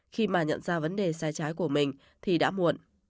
khi mà nhận ra vấn đề sai trái của mình thì đã muộn